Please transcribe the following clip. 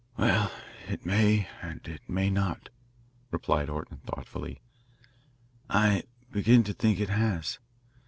"Well, it may and it may not," replied Orton thoughtfully. "I begin to think it has.